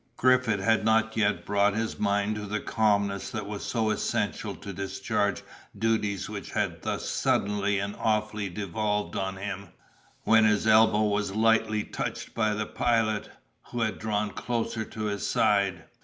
Griffith had not yet brought his mind to the calmness that was so essential to discharge the duties which had thus suddenly and awfully devolved on him, when his elbow was lightly touched by the Pilot, who had drawn closer to his side.